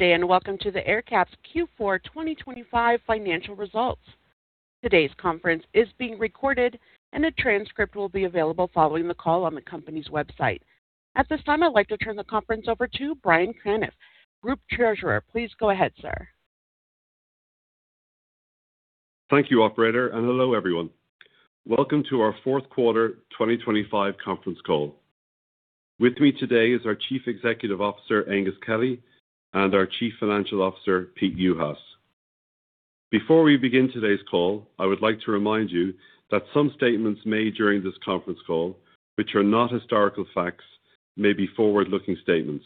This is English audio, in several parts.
Good day and welcome to AerCap's Q4 2025 financial results. Today's conference is being recorded, and a transcript will be available following the call on the company's website. At this time, I'd like to turn the conference over to Brian Canniffe, Group Treasurer. Please go ahead, sir. Thank you, Operator, and hello everyone. Welcome to our fourth quarter 2025 conference call. With me today is our Chief Executive Officer, Aengus Kelly and our Chief Financial Officer, Pete Juhas. Before we begin today's call, I would like to remind you that some statements made during this conference call, which are not historical facts, may be forward-looking statements.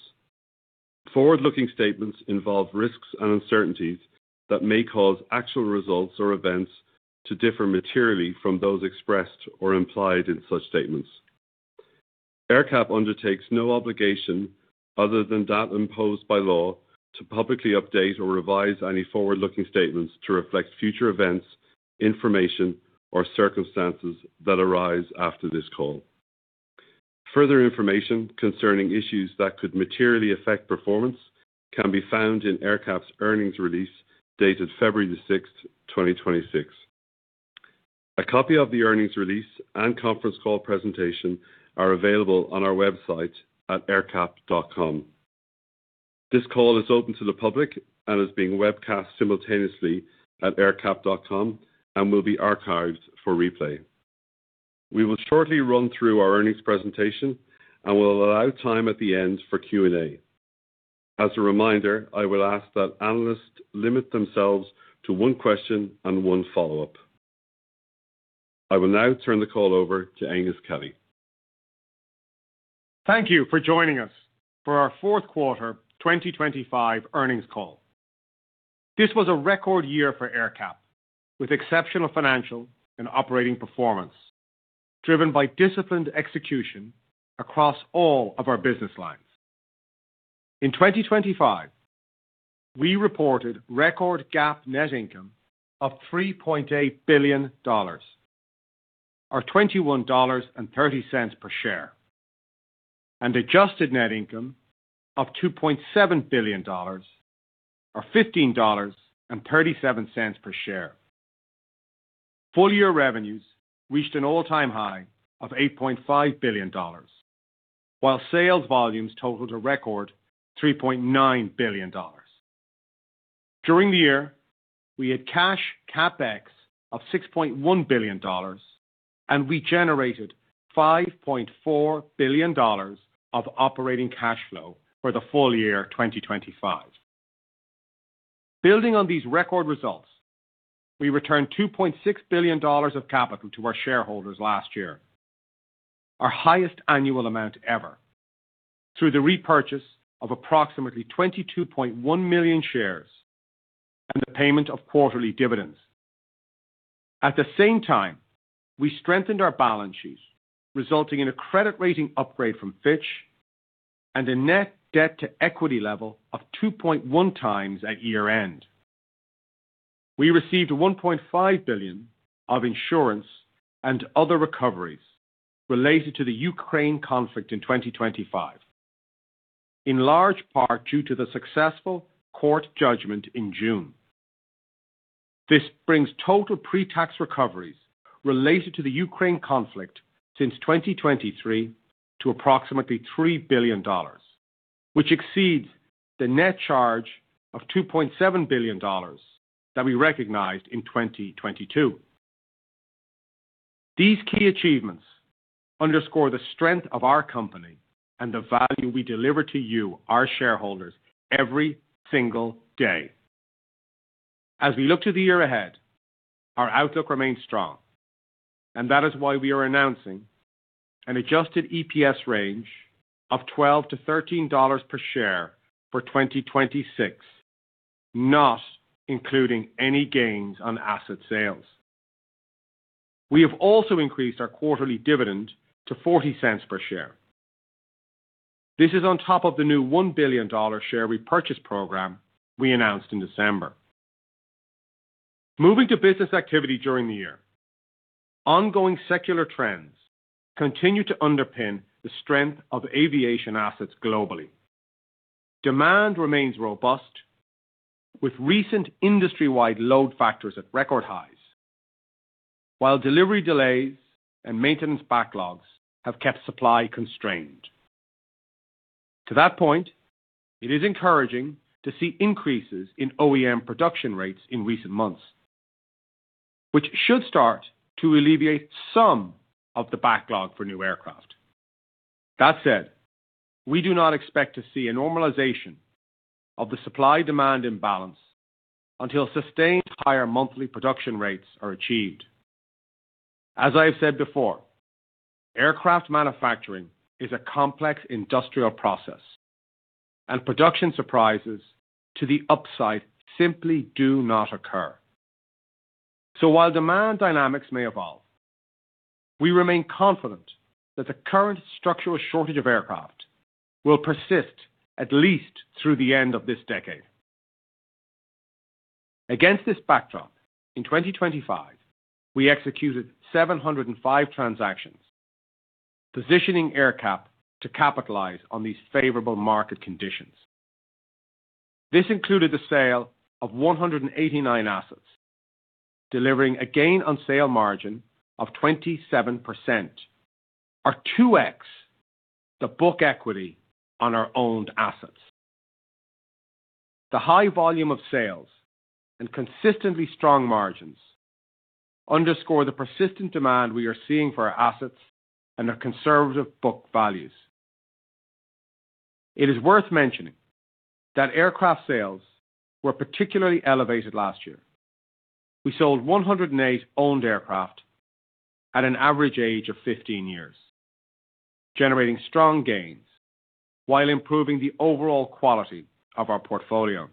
Forward-looking statements involve risks and uncertainties that may cause actual results or events to differ materially from those expressed or implied in such statements. AerCap undertakes no obligation other than that imposed by law to publicly update or revise any forward-looking statements to reflect future events, information, or circumstances that arise after this call. Further information concerning issues that could materially affect performance can be found in AerCap's earnings release dated February the 6th, 2026. A copy of the earnings release and conference call presentation are available on our website at aercap.com. This call is open to the public and is being webcast simultaneously at aercap.com and will be archived for replay. We will shortly run through our earnings presentation and will allow time at the end for Q&A. As a reminder, I will ask that analysts limit themselves to one question and one follow-up. I will now turn the call over to Aengus Kelly. Thank you for joining us for our fourth quarter 2025 earnings call. This was a record year for AerCap, with exceptional financial and operating performance driven by disciplined execution across all of our business lines. In 2025, we reported record GAAP net income of $3.8 billion, or $21.30 per share, and adjusted net income of $2.7 billion, or $15.37 per share. Full-year revenues reached an all-time high of $8.5 billion, while sales volumes totaled a record $3.9 billion. During the year, we had Cash CapEx of $6.1 billion, and we generated $5.4 billion of operating cash flow for the full year 2025. Building on these record results, we returned $2.6 billion of capital to our shareholders last year, our highest annual amount ever, through the repurchase of approximately 22.1 million shares and the payment of quarterly dividends. At the same time, we strengthened our balance sheet, resulting in a credit rating upgrade from Fitch and a net debt-to-equity level of 2.1x at year-end. We received $1.5 billion of insurance and other recoveries related to the Ukraine conflict in 2025, in large part due to the successful court judgment in June. This brings total pre-tax recoveries related to the Ukraine conflict since 2023 to approximately $3 billion, which exceeds the net charge of $2.7 billion that we recognized in 2022. These key achievements underscore the strength of our company and the value we deliver to you, our shareholders, every single day. As we look to the year ahead, our outlook remains strong, and that is why we are announcing an adjusted EPS range of $12-$13 per share for 2026, not including any gains on asset sales. We have also increased our quarterly dividend to $0.40 per share. This is on top of the new $1 billion share repurchase program we announced in December. Moving to business activity during the year, ongoing secular trends continue to underpin the strength of aviation assets globally. Demand remains robust, with recent industry-wide load factors at record highs, while delivery delays and maintenance backlogs have kept supply constrained. To that point, it is encouraging to see increases in OEM production rates in recent months, which should start to alleviate some of the backlog for new aircraft. That said, we do not expect to see a normalization of the supply-demand imbalance until sustained higher monthly production rates are achieved. As I have said before, aircraft manufacturing is a complex industrial process, and production surprises to the upside simply do not occur. So while demand dynamics may evolve, we remain confident that the current structural shortage of aircraft will persist at least through the end of this decade. Against this backdrop, in 2025, we executed 705 transactions, positioning AerCap to capitalize on these favorable market conditions. This included the sale of 189 assets, delivering a gain-on-sale margin of 27%, or 2x the book equity on our owned assets. The high volume of sales and consistently strong margins underscore the persistent demand we are seeing for our assets and our conservative book values. It is worth mentioning that aircraft sales were particularly elevated last year. We sold 108 owned aircraft at an average age of 15 years, generating strong gains while improving the overall quality of our portfolio.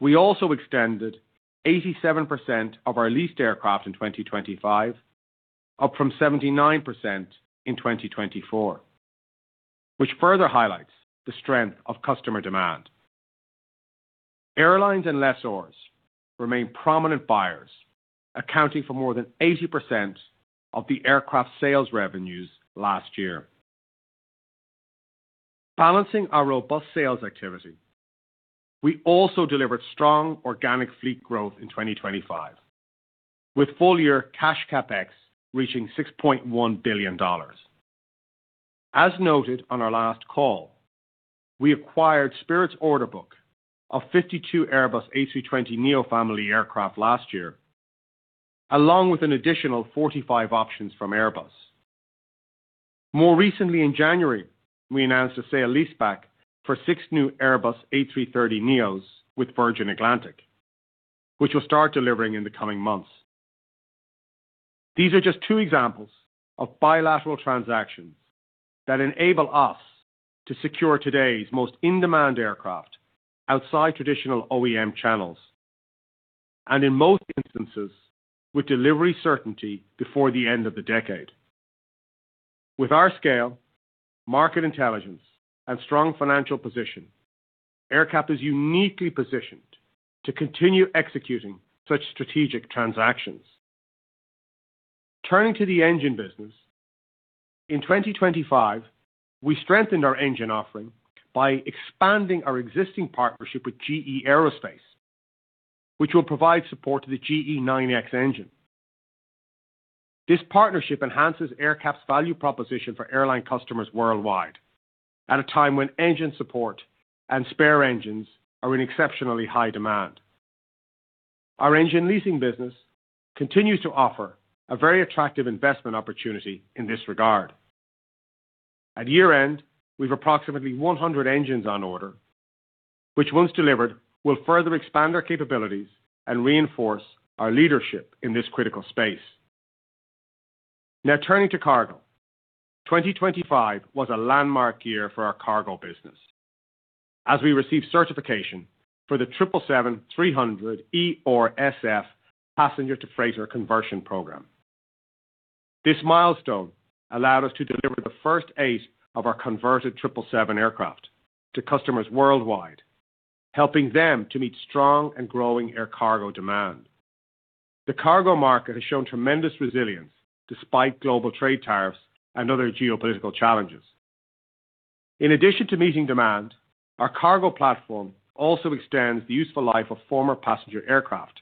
We also extended 87% of our leased aircraft in 2025, up from 79% in 2024, which further highlights the strength of customer demand. Airlines and lessors remain prominent buyers, accounting for more than 80% of the aircraft sales revenues last year. Balancing our robust sales activity, we also delivered strong organic fleet growth in 2025, with full-year Cash CapEx reaching $6.1 billion. As noted on our last call, we acquired Spirit's order book of 52 Airbus A320neo family aircraft last year, along with an additional 45 options from Airbus. More recently, in January, we announced a sale-leaseback for six new Airbus A330neos with Virgin Atlantic, which we'll start delivering in the coming months. These are just two examples of bilateral transactions that enable us to secure today's most in-demand aircraft outside traditional OEM channels, and in most instances with delivery certainty before the end of the decade. With our scale, market intelligence, and strong financial position, AerCap is uniquely positioned to continue executing such strategic transactions. Turning to the engine business, in 2025, we strengthened our engine offering by expanding our existing partnership with GE Aerospace, which will provide support to the GE9X engine. This partnership enhances AerCap's value proposition for airline customers worldwide at a time when engine support and spare engines are in exceptionally high demand. Our engine leasing business continues to offer a very attractive investment opportunity in this regard. At year-end, we have approximately 100 engines on order, which, once delivered, will further expand our capabilities and reinforce our leadership in this critical space. Now turning to cargo. 2025 was a landmark year for our cargo business, as we received certification for the 777-300ERSF passenger-to-freighter conversion program. This milestone allowed us to deliver the first eight of our converted 777 aircraft to customers worldwide, helping them to meet strong and growing air cargo demand. The cargo market has shown tremendous resilience despite global trade tariffs and other geopolitical challenges. In addition to meeting demand, our cargo platform also extends the useful life of former passenger aircraft,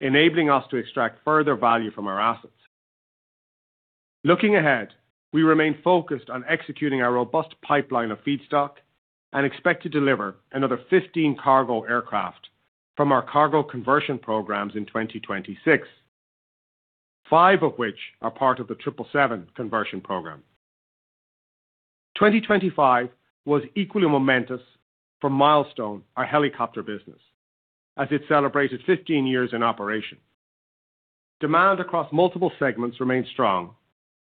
enabling us to extract further value from our assets. Looking ahead, we remain focused on executing our robust pipeline of feedstock and expect to deliver another 15 cargo aircraft from our cargo conversion programs in 2026, five of which are part of the 777 conversion program. 2025 was equally momentous for Milestone, our helicopter business, as it celebrated 15 years in operation. Demand across multiple segments remained strong,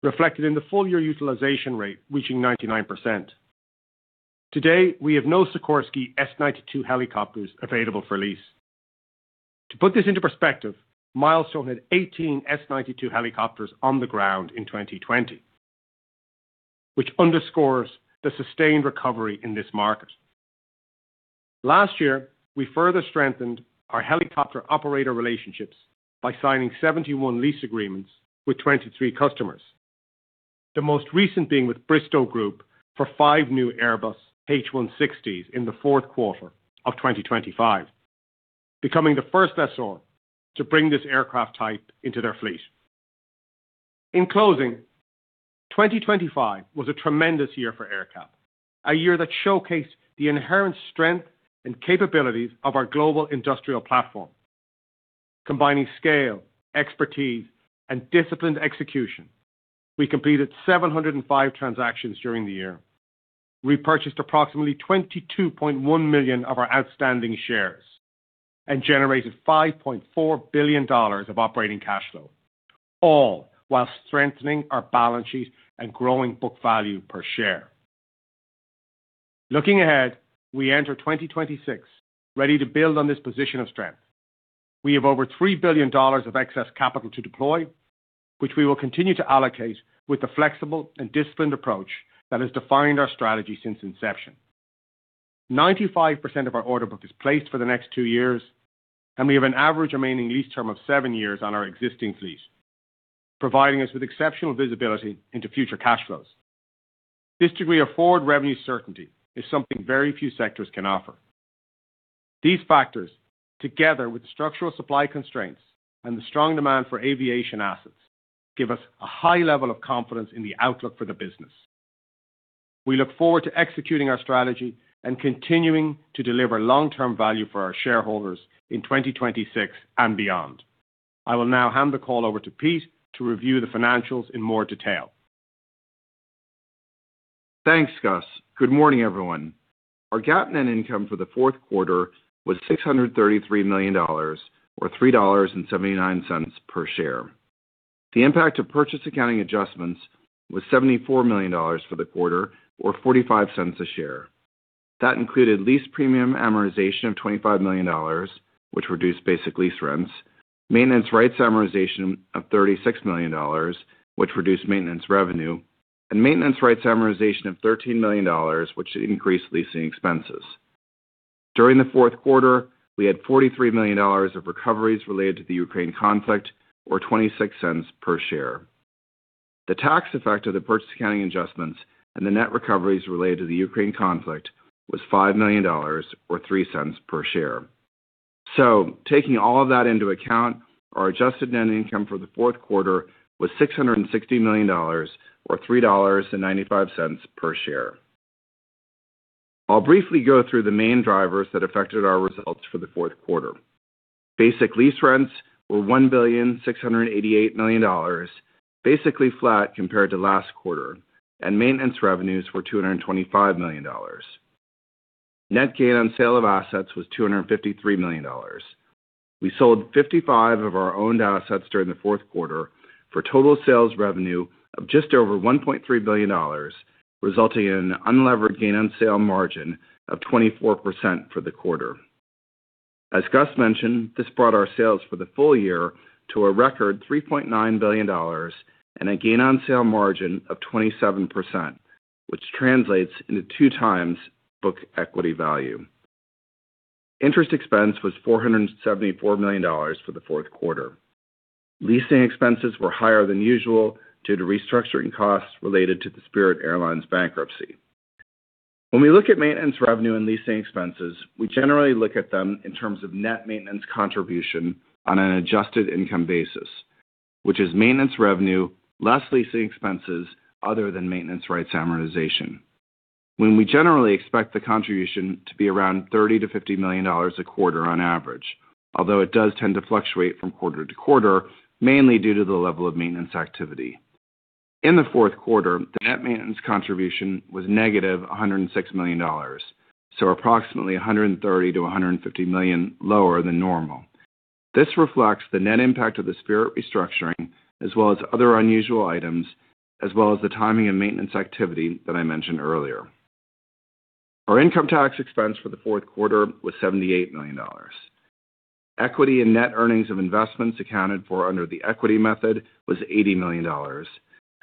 reflected in the full-year utilization rate reaching 99%. Today, we have no Sikorsky S-92 helicopters available for lease. To put this into perspective, Milestone had 18 S-92 helicopters on the ground in 2020, which underscores the sustained recovery in this market. Last year, we further strengthened our helicopter-operator relationships by signing 71 lease agreements with 23 customers, the most recent being with Bristow Group for five new Airbus H160s in the fourth quarter of 2025, becoming the first lessor to bring this aircraft type into their fleet. In closing, 2025 was a tremendous year for AerCap, a year that showcased the inherent strength and capabilities of our global industrial platform. Combining scale, expertise, and disciplined execution, we completed 705 transactions during the year, repurchased approximately 22.1 million of our outstanding shares, and generated $5.4 billion of operating cash flow, all while strengthening our balance sheet and growing book value per share. Looking ahead, we enter 2026 ready to build on this position of strength. We have over $3 billion of excess capital to deploy, which we will continue to allocate with the flexible and disciplined approach that has defined our strategy since inception. 95% of our order book is placed for the next two years, and we have an average remaining lease term of seven years on our existing fleet, providing us with exceptional visibility into future cash flows. This degree of forward revenue certainty is something very few sectors can offer. These factors, together with structural supply constraints and the strong demand for aviation assets, give us a high level of confidence in the outlook for the business. We look forward to executing our strategy and continuing to deliver long-term value for our shareholders in 2026 and beyond. I will now hand the call over to Pete to review the financials in more detail. Thanks, Gus. Good morning, everyone. Our GAAP net income for the fourth quarter was $633 million, or $3.79 per share. The impact of purchase accounting adjustments was $74 million for the quarter, or $0.45 a share. That included lease premium amortization of $25 million, which reduced basic lease rents, maintenance rights amortization of $36 million, which reduced maintenance revenue, and maintenance rights amortization of $13 million, which increased leasing expenses. During the fourth quarter, we had $43 million of recoveries related to the Ukraine conflict, or $0.26 per share. The tax effect of the purchase accounting adjustments and the net recoveries related to the Ukraine conflict was $5 million, or $0.03 per share. So taking all of that into account, our adjusted net income for the fourth quarter was $660 million, or $3.95 per share. I'll briefly go through the main drivers that affected our results for the fourth quarter. Basic lease rents were $1.688 billion, basically flat compared to last quarter, and maintenance revenues were $225 million. Net gain on sale of assets was $253 million. We sold 55 of our owned assets during the fourth quarter for total sales revenue of just over $1.3 billion, resulting in an unlevered gain-on-sale margin of 24% for the quarter. As Gus mentioned, this brought our sales for the full year to a record $3.9 billion and a gain-on-sale margin of 27%, which translates into 2x book equity value. Interest expense was $474 million for the fourth quarter. Leasing expenses were higher than usual due to restructuring costs related to the Spirit Airlines bankruptcy. When we look at maintenance revenue and leasing expenses, we generally look at them in terms of net maintenance contribution on an adjusted income basis, which is maintenance revenue less leasing expenses other than maintenance rights amortization. When we generally expect the contribution to be around $30 million-$50 million a quarter on average, although it does tend to fluctuate from quarter to quarter, mainly due to the level of maintenance activity. In the fourth quarter, the net maintenance contribution was -$106 million, so approximately $130 million-$150 million lower than normal. This reflects the net impact of the Spirit restructuring as well as other unusual items, as well as the timing of maintenance activity that I mentioned earlier. Our income tax expense for the fourth quarter was $78 million. Equity and net earnings of investments accounted for under the equity method was $80 million,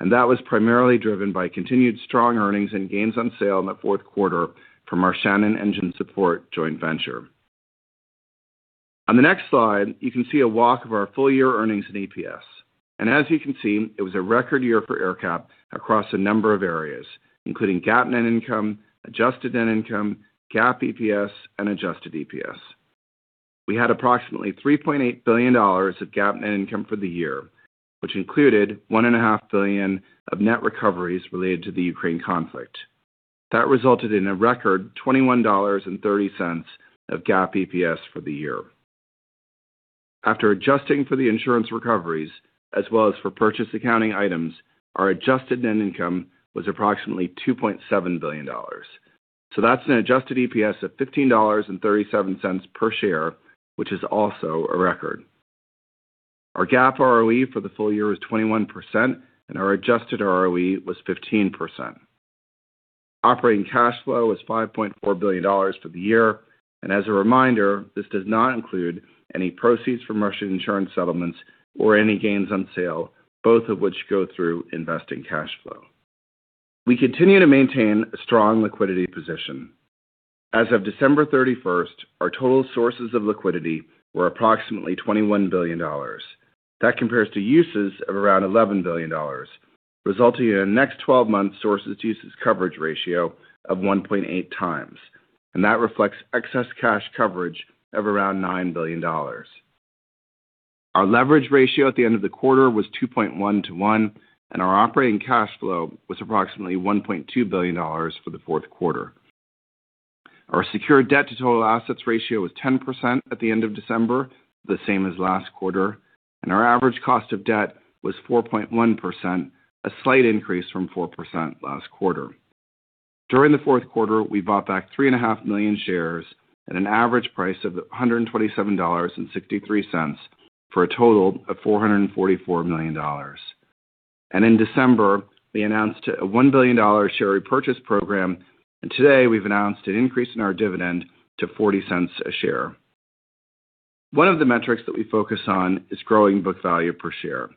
and that was primarily driven by continued strong earnings and gains on sale in the fourth quarter from our Shannon Engine Support joint venture. On the next slide, you can see a walk of our full-year earnings and EPS. As you can see, it was a record year for AerCap across a number of areas, including GAAP net income, adjusted net income, GAAP EPS, and adjusted EPS. We had approximately $3.8 billion of GAAP net income for the year, which included $1.5 billion of net recoveries related to the Ukraine conflict. That resulted in a record $21.30 of GAAP EPS for the year. After adjusting for the insurance recoveries as well as for purchase accounting items, our adjusted net income was approximately $2.7 billion. That's an adjusted EPS of $15.37 per share, which is also a record. Our GAAP ROE for the full year was 21%, and our adjusted ROE was 15%. Operating cash flow was $5.4 billion for the year. As a reminder, this does not include any proceeds from Russian insurance settlements or any gains on sale, both of which go through investing cash flow. We continue to maintain a strong liquidity position. As of December 31st, our total sources of liquidity were approximately $21 billion. That compares to uses of around $11 billion, resulting in a next 12 months sources-to-uses coverage ratio of 1.8x, and that reflects excess cash coverage of around $9 billion. Our leverage ratio at the end of the quarter was 2.1 to 1, and our operating cash flow was approximately $1.2 billion for the fourth quarter. Our secured debt-to-total assets ratio was 10% at the end of December, the same as last quarter, and our average cost of debt was 4.1%, a slight increase from 4% last quarter. During the fourth quarter, we bought back 3.5 million shares at an average price of $127.63 for a total of $444 million. In December, we announced a $1 billion share repurchase program, and today we've announced an increase in our dividend to $0.40 a share. One of the metrics that we focus on is growing book value per share.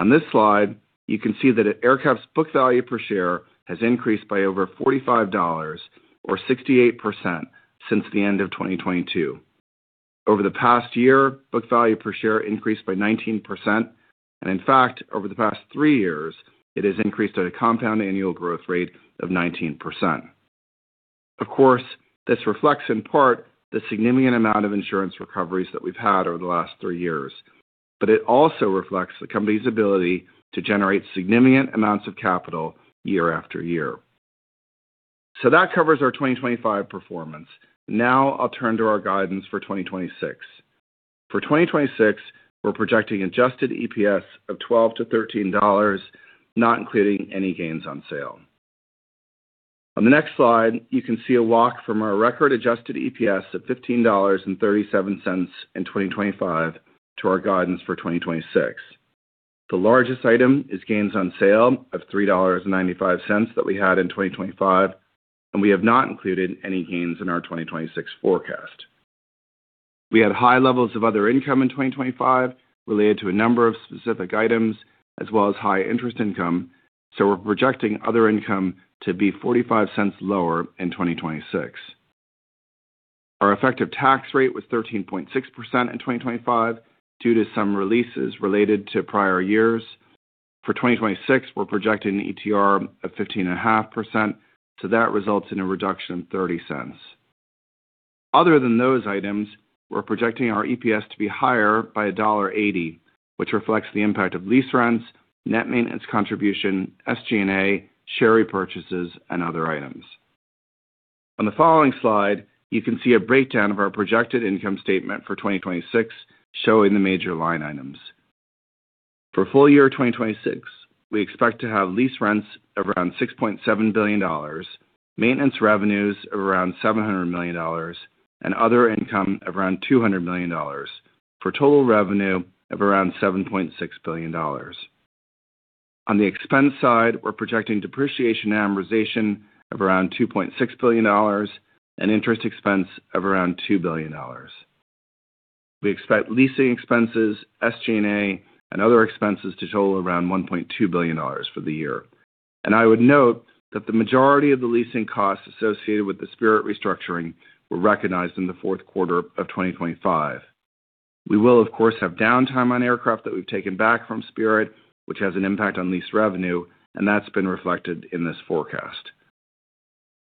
On this slide, you can see that AerCap's book value per share has increased by over $45, or 68%, since the end of 2022. Over the past year, book value per share increased by 19%, and in fact, over the past three years, it has increased at a compound annual growth rate of 19%. Of course, this reflects in part the significant amount of insurance recoveries that we've had over the last three years, but it also reflects the company's ability to generate significant amounts of capital year after year. So that covers our 2025 performance. Now I'll turn to our guidance for 2026. For 2026, we're projecting adjusted EPS of $12-$13, not including any gains on sale. On the next slide, you can see a walk from our record adjusted EPS of $15.37 in 2025 to our guidance for 2026. The largest item is gains on sale of $3.95 that we had in 2025, and we have not included any gains in our 2026 forecast. We had high levels of other income in 2025 related to a number of specific items as well as high interest income, so we're projecting other income to be $0.45 lower in 2026. Our effective tax rate was 13.6% in 2025 due to some releases related to prior years. For 2026, we're projecting an ETR of 15.5%, so that results in a reduction of $0.30. Other than those items, we're projecting our EPS to be higher by $1.80, which reflects the impact of lease rents, net maintenance contribution, SG&A, share repurchases, and other items. On the following slide, you can see a breakdown of our projected income statement for 2026 showing the major line items. For full year 2026, we expect to have lease rents of around $6.7 billion, maintenance revenues of around $700 million, and other income of around $200 million for total revenue of around $7.6 billion. On the expense side, we're projecting depreciation amortization of around $2.6 billion and interest expense of around $2 billion. We expect leasing expenses, SG&A, and other expenses to total around $1.2 billion for the year. And I would note that the majority of the leasing costs associated with the Spirit restructuring were recognized in the fourth quarter of 2025. We will, of course, have downtime on aircraft that we've taken back from Spirit, which has an impact on lease revenue, and that's been reflected in this forecast.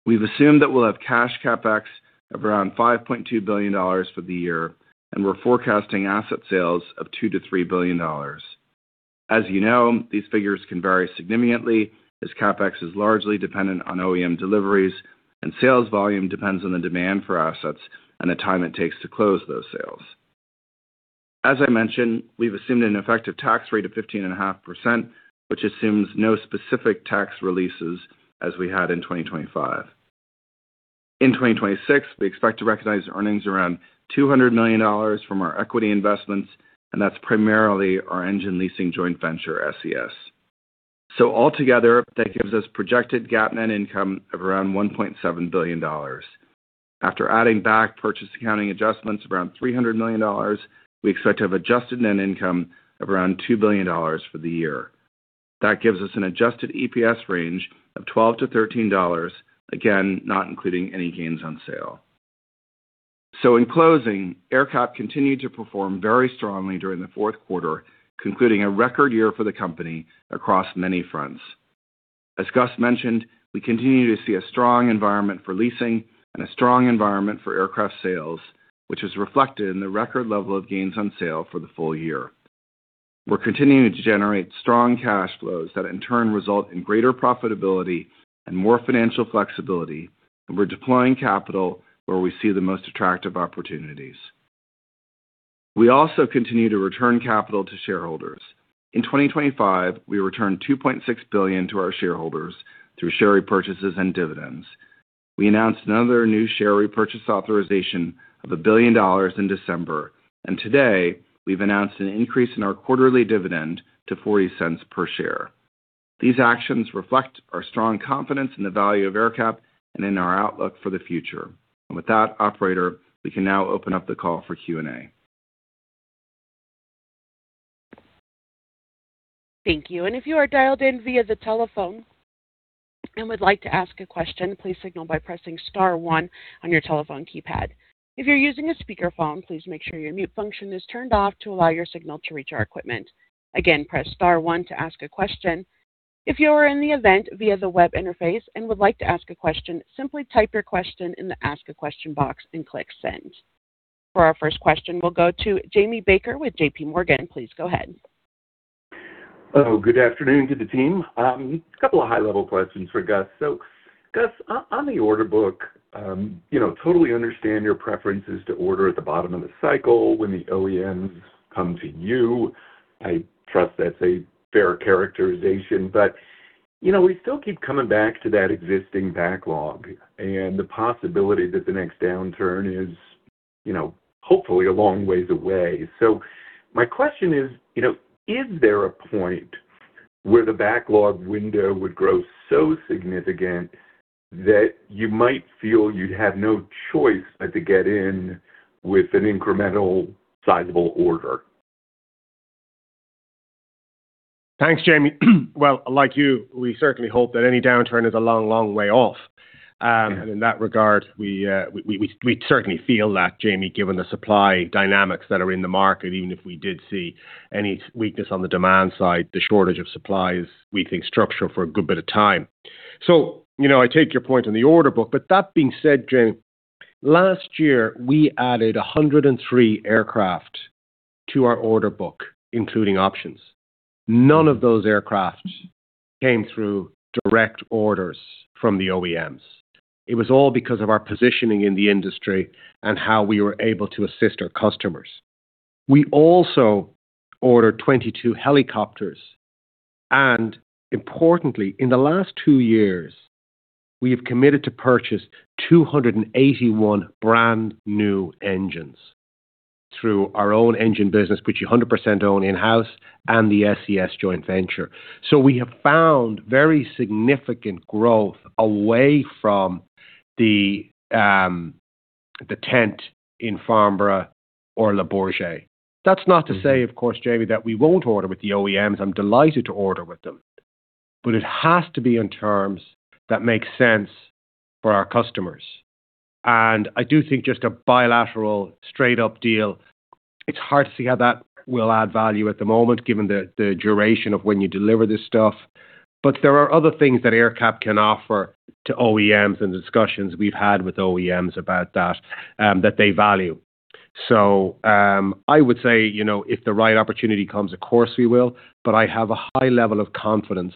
We've assumed that we'll have Cash CapEx of around $5.2 billion for the year, and we're forecasting asset sales of $2 billion-$3 billion. As you know, these figures can vary significantly as CapEx is largely dependent on OEM deliveries, and sales volume depends on the demand for assets and the time it takes to close those sales. As I mentioned, we've assumed an effective tax rate of 15.5%, which assumes no specific tax releases as we had in 2025. In 2026, we expect to recognize earnings around $200 million from our equity investments, and that's primarily our engine leasing joint venture, SES. So altogether, that gives us projected GAAP net income of around $1.7 billion. After adding back purchase accounting adjustments of around $300 million, we expect to have adjusted net income of around $2 billion for the year. That gives us an adjusted EPS range of $12-$13, again, not including any gains on sale. So in closing, AerCap continued to perform very strongly during the fourth quarter, concluding a record year for the company across many fronts. As Gus mentioned, we continue to see a strong environment for leasing and a strong environment for aircraft sales, which is reflected in the record level of gains on sale for the full year. We're continuing to generate strong cash flows that, in turn, result in greater profitability and more financial flexibility, and we're deploying capital where we see the most attractive opportunities. We also continue to return capital to shareholders. In 2025, we returned $2.6 billion to our shareholders through share repurchases and dividends. We announced another new share repurchase authorization of $1 billion in December, and today we've announced an increase in our quarterly dividend to $0.40 per share. These actions reflect our strong confidence in the value of AerCap and in our outlook for the future. And with that, operator, we can now open up the call for Q&A. Thank you. If you are dialed in via the telephone and would like to ask a question, please signal by pressing star one on your telephone keypad. If you're using a speakerphone, please make sure your mute function is turned off to allow your signal to reach our equipment. Again, press star one to ask a question. If you are in the event via the web interface and would like to ask a question, simply type your question in the ask-a-question box and click send. For our first question, we'll go to Jamie Baker with JPMorgan. Please go ahead. Oh, good afternoon to the team. A couple of high-level questions for Gus. So Gus, on the order book, totally understand your preferences to order at the bottom of the cycle when the OEMs come to you. I trust that's a fair characterization. But we still keep coming back to that existing backlog and the possibility that the next downturn is hopefully a long ways away. So my question is, is there a point where the backlog window would grow so significant that you might feel you'd have no choice but to get in with an incremental, sizable order? Thanks, Jamie. Well, like you, we certainly hope that any downturn is a long, long way off. In that regard, we certainly feel that, Jamie, given the supply dynamics that are in the market, even if we did see any weakness on the demand side, the shortage of supply is, we think, structural for a good bit of time. I take your point on the order book. That being said, Jamie, last year we added 103 aircraft to our order book, including options. None of those aircraft came through direct orders from the OEMs. It was all because of our positioning in the industry and how we were able to assist our customers. We also ordered 22 helicopters. Importantly, in the last two years, we have committed to purchase 281 brand-new engines through our own engine business, which you 100% own in-house, and the SES joint venture. So we have found very significant growth away from the tent in Farnborough or Le Bourget. That's not to say, of course, Jamie, that we won't order with the OEMs. I'm delighted to order with them. But it has to be in terms that make sense for our customers. And I do think just a bilateral, straight-up deal, it's hard to see how that will add value at the moment given the duration of when you deliver this stuff. But there are other things that AerCap can offer to OEMs, and the discussions we've had with OEMs about that, that they value. So I would say if the right opportunity comes, of course, we will. But I have a high level of confidence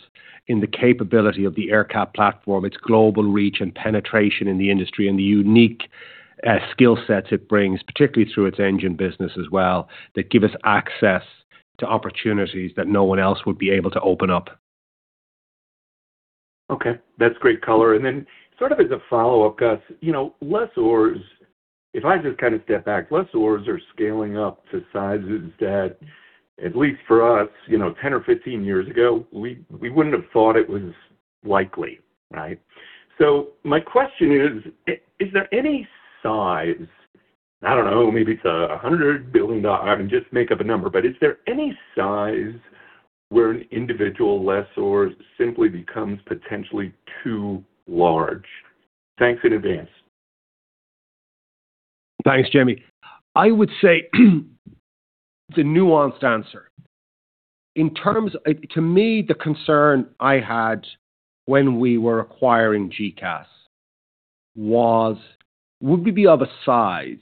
in the capability of the AerCap platform, its global reach and penetration in the industry, and the unique skill sets it brings, particularly through its engine business as well, that give us access to opportunities that no one else would be able to open up. Okay. That's great color. And then sort of as a follow-up, Gus, if I just kind of step back, lessors are scaling up to sizes that, at least for us, 10 or 15 years ago, we wouldn't have thought it was likely, right? So my question is, is there any size, I don't know. Maybe it's a $100 billion, I mean, just make up a number. But is there any size where an individual lessor simply becomes potentially too large? Thanks in advance. Thanks, Jamie. I would say it's a nuanced answer. To me, the concern I had when we were acquiring GECAS would be of a size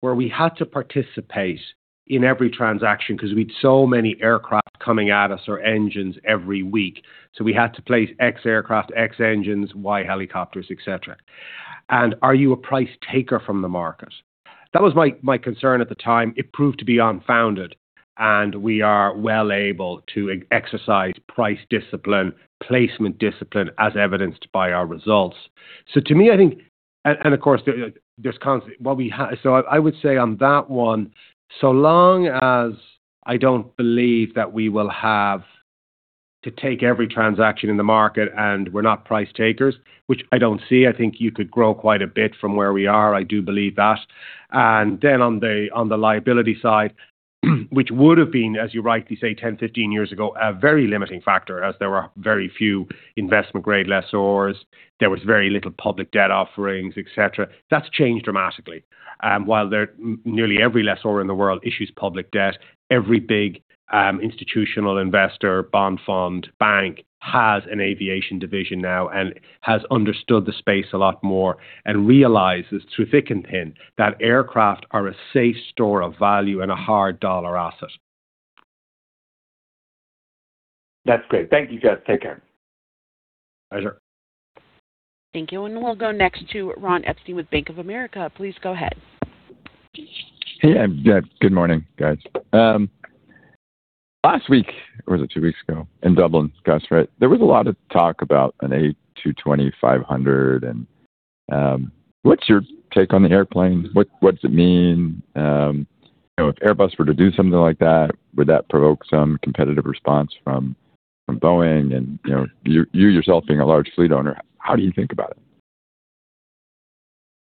where we had to participate in every transaction because we'd so many aircraft coming at us or engines every week. So we had to place X aircraft, X engines, Y helicopters, etc. And are you a price taker from the market? That was my concern at the time. It proved to be unfounded. And we are well able to exercise price discipline, placement discipline, as evidenced by our results. So to me, I think and of course, there's constantly so I would say on that one, so long as I don't believe that we will have to take every transaction in the market and we're not price takers, which I don't see, I think you could grow quite a bit from where we are. I do believe that. And then on the liability side, which would have been, as you rightly say, 10, 15 years ago, a very limiting factor as there were very few investment-grade lessors. There was very little public debt offerings, etc. That's changed dramatically. While nearly every lessor in the world issues public debt, every big institutional investor, bond fund, bank has an aviation division now and has understood the space a lot more and realizes through thick and thin that aircraft are a safe store of value and a hard dollar asset. That's great. Thank you, Gus. Take care. Pleasure. Thank you. We'll go next to Ron Epstein with Bank of America. Please go ahead. Hey, good morning, guys. Last week—was it two weeks ago?—in Dublin, Gus, right, there was a lot of talk about an A220-500. And what's your take on the airplane? What does it mean? If Airbus were to do something like that, would that provoke some competitive response from Boeing? And you yourself being a large fleet owner, how do you think about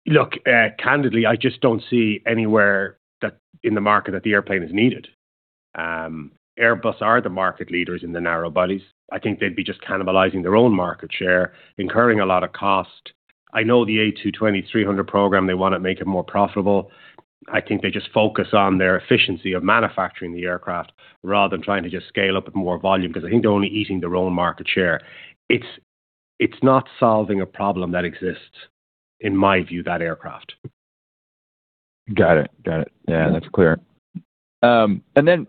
it? Look, candidly, I just don't see anywhere in the market that the airplane is needed. Airbus are the market leaders in the narrow bodies. I think they'd be just cannibalizing their own market share, incurring a lot of cost. I know the A220-300 program, they want to make it more profitable. I think they just focus on their efficiency of manufacturing the aircraft rather than trying to just scale up with more volume because I think they're only eating their own market share. It's not solving a problem that exists, in my view, that aircraft. Got it. Got it. Yeah, that's clear. And then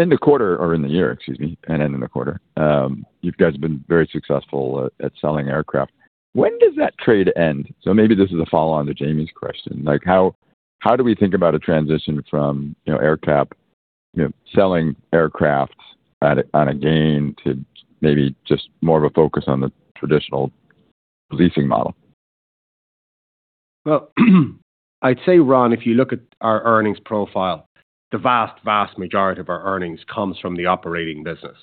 in the quarter or in the year - excuse me - and ending the quarter, you guys have been very successful at selling aircraft. When does that trade end? So maybe this is a follow-on to Jamie's question. How do we think about a transition from AerCap selling aircraft on a gain to maybe just more of a focus on the traditional leasing model? Well, I'd say, Ron, if you look at our earnings profile, the vast, vast majority of our earnings comes from the operating business.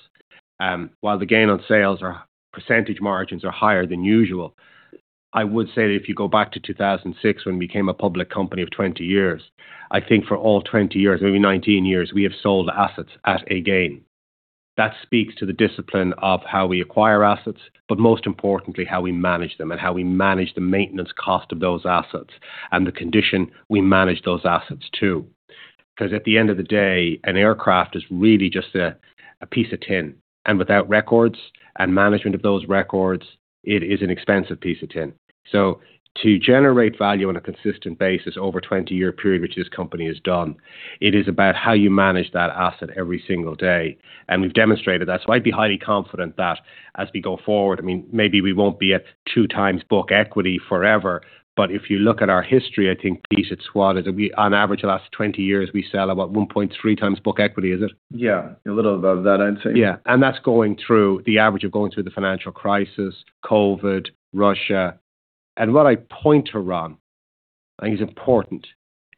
While the gain on sales or percentage margins are higher than usual, I would say that if you go back to 2006 when we became a public company of 20 years, I think for all 20 years, maybe 19 years, we have sold assets at a gain. That speaks to the discipline of how we acquire assets, but most importantly, how we manage them and how we manage the maintenance cost of those assets and the condition we manage those assets to. Because at the end of the day, an aircraft is really just a piece of tin. And without records and management of those records, it is an expensive piece of tin. So to generate value on a consistent basis over a 20-year period, which this company has done, it is about how you manage that asset every single day. And we've demonstrated that. So I'd be highly confident that as we go forward I mean, maybe we won't be at 2x book equity forever. But if you look at our history, I think, Pete, it's what? On average, the last 20 years, we sell about 1.3x book equity, is it? Yeah, a little above that, I'd say. Yeah. And that's going through the average of going through the financial crisis, COVID, Russia. And what I point to, Ron, I think is important,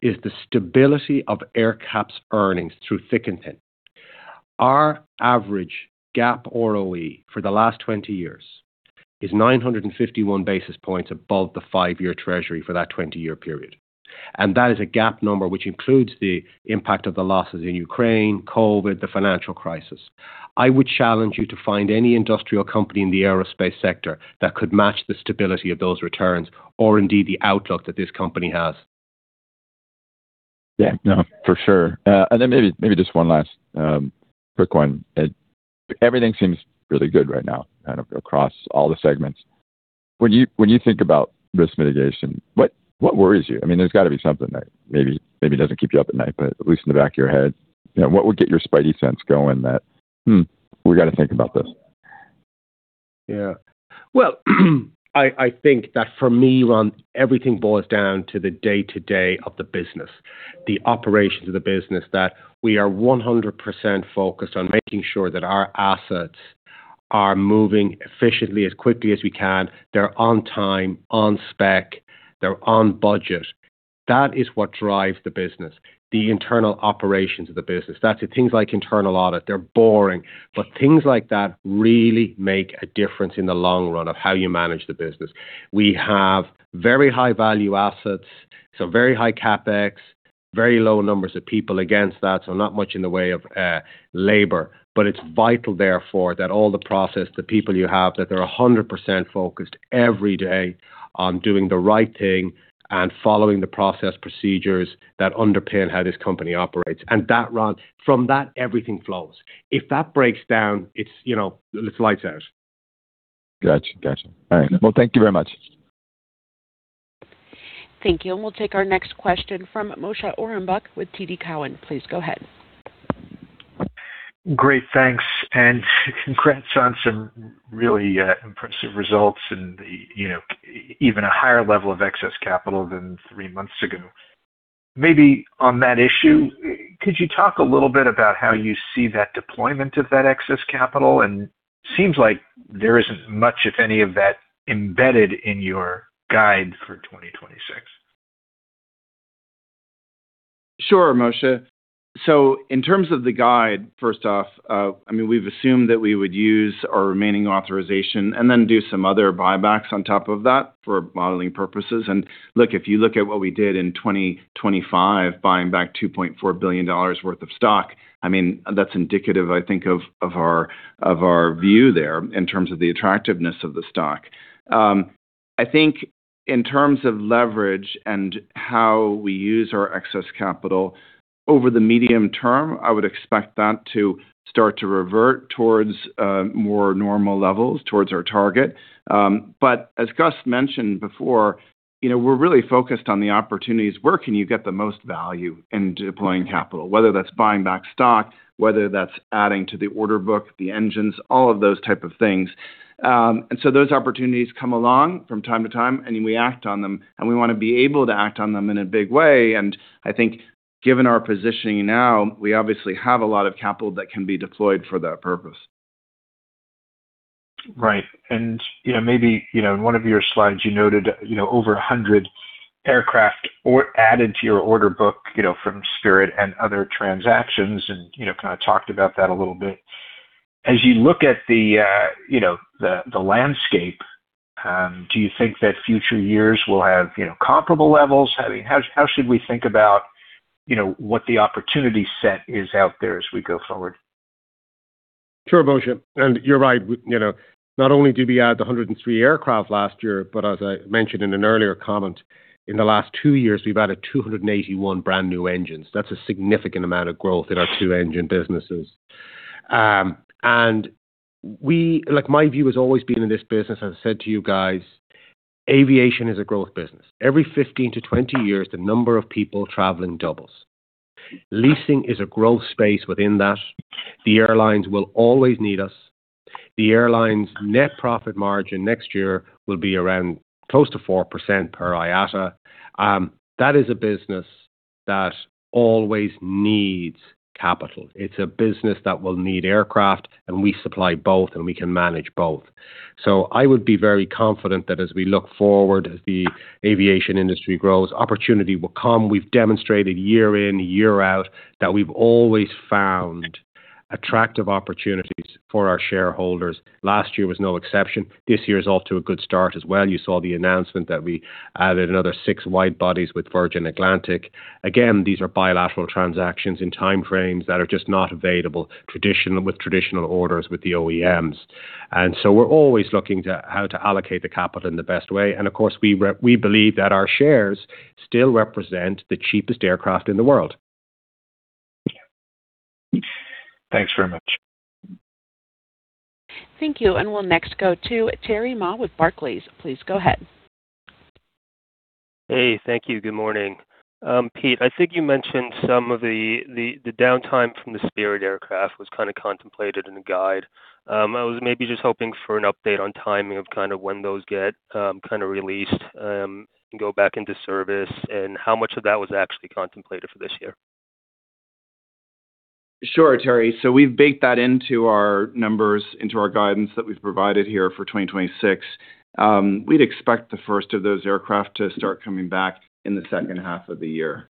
is the stability of AerCap's earnings through thick and thin. Our average GAAP ROE for the last 20 years is 951 basis points above the five-year Treasury for that 20-year period. And that is a GAAP number which includes the impact of the losses in Ukraine, COVID, the financial crisis. I would challenge you to find any industrial company in the aerospace sector that could match the stability of those returns or indeed the outlook that this company has. Yeah. No, for sure. Then maybe just one last quick one. Everything seems really good right now kind of across all the segments. When you think about risk mitigation, what worries you? I mean, there's got to be something that maybe doesn't keep you up at night, but at least in the back of your head. What would get your spidey sense going, that we got to think about this? Yeah. Well, I think that for me, Ron, everything boils down to the day-to-day of the business, the operations of the business, that we are 100% focused on making sure that our assets are moving efficiently as quickly as we can. They're on time, on spec. They're on budget. That is what drives the business, the internal operations of the business. That's it. Things like internal audit, they're boring. But things like that really make a difference in the long run of how you manage the business. We have very high-value assets, so very high CapEx, very low numbers of people against that, so not much in the way of labor. But it's vital, therefore, that all the process, the people you have, that they're 100% focused every day on doing the right thing and following the process procedures that underpin how this company operates. Ron, from that, everything flows. If that breaks down, it's lights out. Gotcha. Gotcha. All right. Well, thank you very much. Thank you. We'll take our next question from Moshe Orenbuch with TD Cowen. Please go ahead. Great. Thanks. And congrats on some really impressive results and even a higher level of excess capital than three months ago. Maybe on that issue, could you talk a little bit about how you see that deployment of that excess capital? And it seems like there isn't much, if any, of that embedded in your guide for 2026. Sure, Moshe. So in terms of the guide, first off, I mean, we've assumed that we would use our remaining authorization and then do some other buybacks on top of that for modeling purposes. And look, if you look at what we did in 2025, buying back $2.4 billion worth of stock, I mean, that's indicative, I think, of our view there in terms of the attractiveness of the stock. I think in terms of leverage and how we use our excess capital over the medium term, I would expect that to start to revert towards more normal levels, towards our target. But as Gus mentioned before, we're really focused on the opportunities where can you get the most value in deploying capital, whether that's buying back stock, whether that's adding to the order book, the engines, all of those type of things. Those opportunities come along from time to time, and we act on them. We want to be able to act on them in a big way. I think given our positioning now, we obviously have a lot of capital that can be deployed for that purpose. Right. And maybe in one of your slides, you noted over 100 aircraft added to your order book from Spirit and other transactions and kind of talked about that a little bit. As you look at the landscape, do you think that future years will have comparable levels? I mean, how should we think about what the opportunity set is out there as we go forward? Sure, Moshe. You're right. Not only did we add the 103 aircraft last year, but as I mentioned in an earlier comment, in the last two years, we've added 281 brand new engines. That's a significant amount of growth in our two-engine businesses. My view has always been in this business, as I said to you guys, aviation is a growth business. Every 15-20 years, the number of people traveling doubles. Leasing is a growth space within that. The airlines will always need us. The airlines' net profit margin next year will be close to 4% per IATA. That is a business that always needs capital. It's a business that will need aircraft, and we supply both, and we can manage both. I would be very confident that as we look forward, as the aviation industry grows, opportunity will come. We've demonstrated year in, year out that we've always found attractive opportunities for our shareholders. Last year was no exception. This year is off to a good start as well. You saw the announcement that we added another six wide bodies with Virgin Atlantic. Again, these are bilateral transactions in timeframes that are just not available with traditional orders with the OEMs. And so we're always looking to how to allocate the capital in the best way. And of course, we believe that our shares still represent the cheapest aircraft in the world. Thanks very much. Thank you. We'll next go to Terry Ma with Barclays. Please go ahead. Hey, thank you. Good morning. Pete, I think you mentioned some of the downtime from the Spirit aircraft was kind of contemplated in the guide. I was maybe just hoping for an update on timing of kind of when those get kind of released and go back into service and how much of that was actually contemplated for this year. Sure, Terry. So we've baked that into our numbers, into our guidance that we've provided here for 2026. We'd expect the first of those aircraft to start coming back in the second half of the year.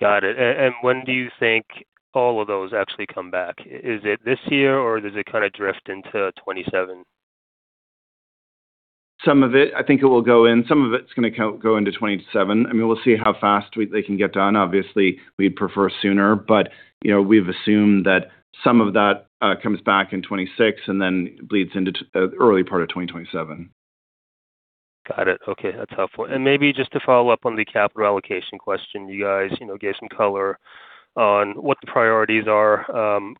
Got it. And when do you think all of those actually come back? Is it this year, or does it kind of drift into 2027? Some of it. I think it will go in. Some of it's going to go into 2027. I mean, we'll see how fast they can get done. Obviously, we'd prefer sooner. But we've assumed that some of that comes back in 2026 and then bleeds into the early part of 2027. Got it. Okay. That's helpful. And maybe just to follow up on the capital allocation question, you guys gave some color on what the priorities are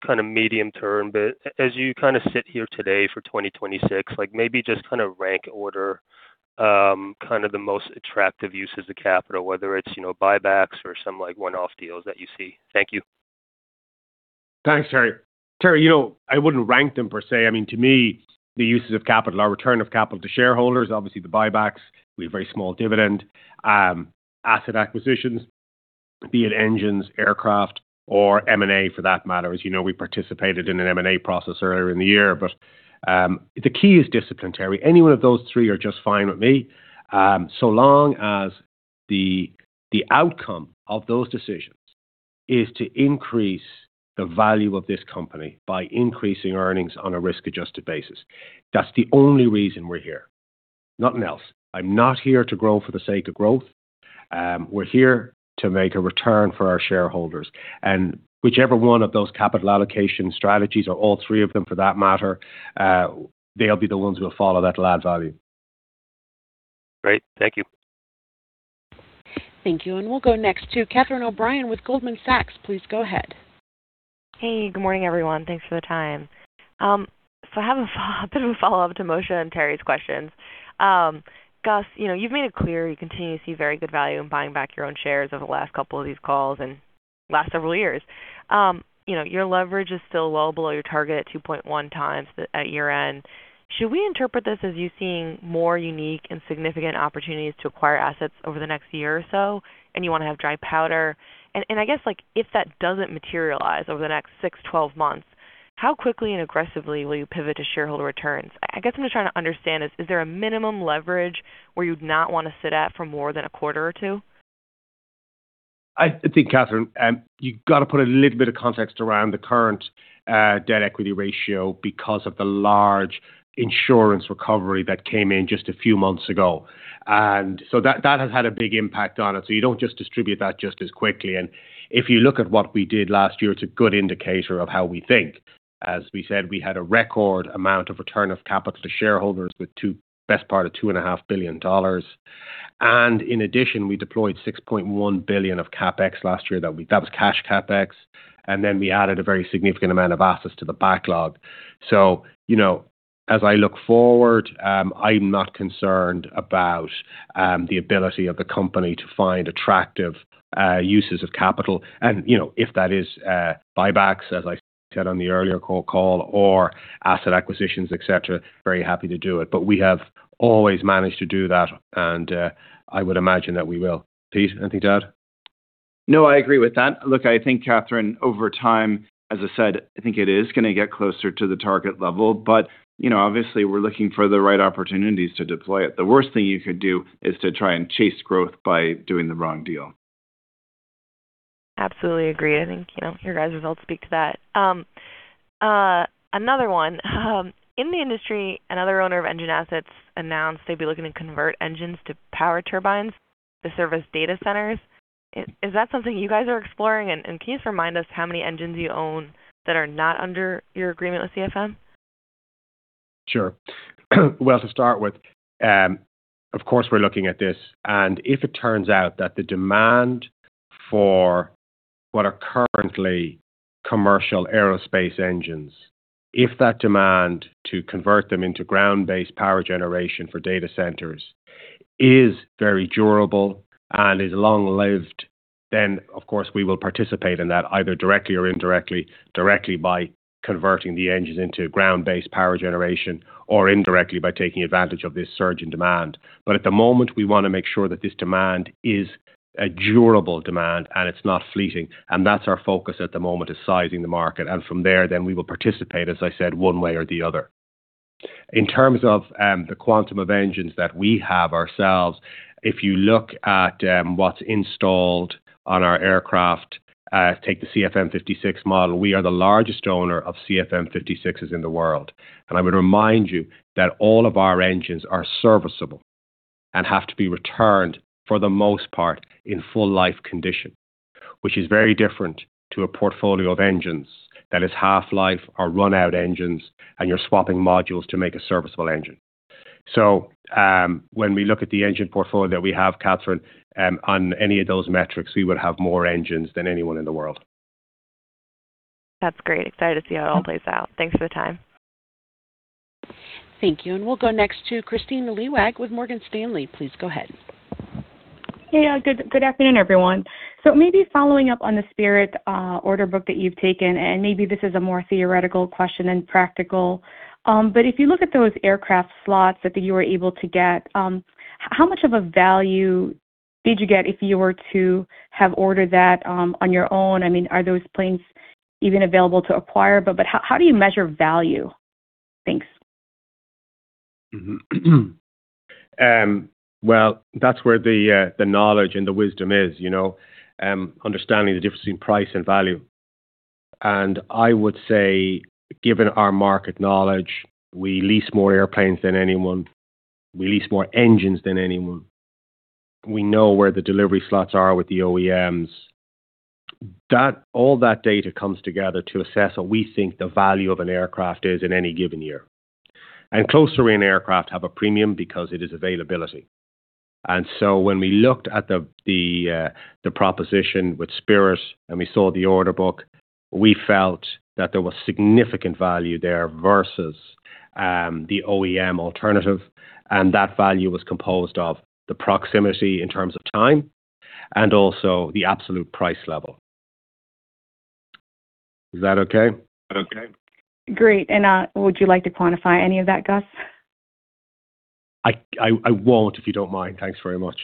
kind of medium term. But as you kind of sit here today for 2026, maybe just kind of rank order kind of the most attractive uses of capital, whether it's buybacks or some one-off deals that you see. Thank you. Thanks, Terry. Terry, I wouldn't rank them per se. I mean, to me, the uses of capital, our return of capital to shareholders, obviously the buybacks, we have very small dividend, asset acquisitions, be it engines, aircraft, or M&A for that matter. As you know, we participated in an M&A process earlier in the year. But the key is discipline, Terry. Anyone of those three are just fine with me so long as the outcome of those decisions is to increase the value of this company by increasing earnings on a risk-adjusted basis. That's the only reason we're here. Nothing else. I'm not here to grow for the sake of growth. We're here to make a return for our shareholders. And whichever one of those capital allocation strategies or all three of them, for that matter, they'll be the ones who will follow that last value. Great. Thank you. Thank you. We'll go next to Catherine O'Brien with Goldman Sachs. Please go ahead. Hey. Good morning, everyone. Thanks for the time. So I have a bit of a follow-up to Moshe and Terry's questions. Gus, you've made it clear you continue to see very good value in buying back your own shares over the last couple of these calls and last several years. Your leverage is still well below your target at 2.1x at year-end. Should we interpret this as you seeing more unique and significant opportunities to acquire assets over the next year or so, and you want to have dry powder? And I guess if that doesn't materialize over the next six, 12 months, how quickly and aggressively will you pivot to shareholder returns? I guess what I'm trying to understand is, is there a minimum leverage where you'd not want to sit at for more than a quarter or two? I think, Catherine, you've got to put a little bit of context around the current debt equity ratio because of the large insurance recovery that came in just a few months ago. And so that has had a big impact on it. So you don't just distribute that just as quickly. And if you look at what we did last year, it's a good indicator of how we think. As we said, we had a record amount of return of capital to shareholders with the best part of $2.5 billion. And in addition, we deployed $6.1 billion of CapEx last year. That was Cash CapEx. And then we added a very significant amount of assets to the backlog. So as I look forward, I'm not concerned about the ability of the company to find attractive uses of capital. If that is buybacks, as I said on the earlier call, or asset acquisitions, etc., very happy to do it. But we have always managed to do that, and I would imagine that we will. Pete, anything to add? No, I agree with that. Look, I think, Catherine, over time, as I said, I think it is going to get closer to the target level. But obviously, we're looking for the right opportunities to deploy it. The worst thing you could do is to try and chase growth by doing the wrong deal. Absolutely agree. I think your guys' results speak to that. Another one. In the industry, another owner of engine assets announced they'd be looking to convert engines to power turbines to service data centers. Is that something you guys are exploring? And can you just remind us how many engines you own that are not under your agreement with CFM? Sure. Well, to start with, of course, we're looking at this. And if it turns out that the demand for what are currently commercial aerospace engines, if that demand to convert them into ground-based power generation for data centers is very durable and is long-lived, then, of course, we will participate in that either directly or indirectly, directly by converting the engines into ground-based power generation or indirectly by taking advantage of this surge in demand. But at the moment, we want to make sure that this demand is a durable demand, and it's not fleeting. And that's our focus at the moment is sizing the market. And from there, then we will participate, as I said, one way or the other. In terms of the quantum of engines that we have ourselves, if you look at what's installed on our aircraft, take the CFM56 model, we are the largest owner of CFM56s in the world. And I would remind you that all of our engines are serviceable and have to be returned, for the most part, in full-life condition, which is very different to a portfolio of engines that is half-life or run-out engines, and you're swapping modules to make a serviceable engine. So when we look at the engine portfolio that we have, Catherine, on any of those metrics, we would have more engines than anyone in the world. That's great. Excited to see how it all plays out. Thanks for the time. Thank you. And we'll go next to Kristine Liwag with Morgan Stanley. Please go ahead. Hey. Good afternoon, everyone. So maybe following up on the Spirit order book that you've taken, and maybe this is a more theoretical question than practical. But if you look at those aircraft slots that you were able to get, how much of a value did you get if you were to have ordered that on your own? I mean, are those planes even available to acquire? But how do you measure value? Thanks. Well, that's where the knowledge and the wisdom is, understanding the difference between price and value. And I would say, given our market knowledge, we lease more airplanes than anyone. We lease more engines than anyone. We know where the delivery slots are with the OEMs. All that data comes together to assess what we think the value of an aircraft is in any given year. And closer-in aircraft have a premium because it is availability. And so when we looked at the proposition with Spirit and we saw the order book, we felt that there was significant value there versus the OEM alternative. And that value was composed of the proximity in terms of time and also the absolute price level. Is that okay? Great. Would you like to quantify any of that, Gus? I won't if you don't mind. Thanks very much.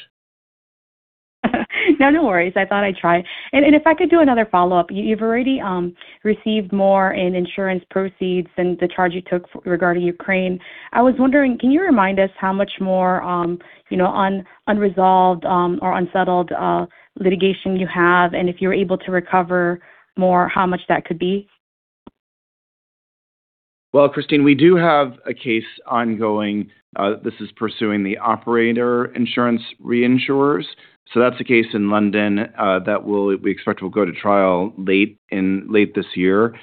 No, no worries. I thought I'd try. If I could do another follow-up, you've already received more in insurance proceeds than the charge you took regarding Ukraine. I was wondering, can you remind us how much more unresolved or unsettled litigation you have and if you were able to recover more, how much that could be? Well, Kristine, we do have a case ongoing. This is pursuing the operator insurance reinsurers. So that's a case in London that we expect will go to trial late this year.